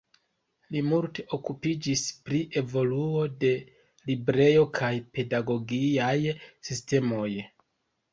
Li multe okupiĝis pri evoluo de librejo kaj pedagogiaj sistemoj.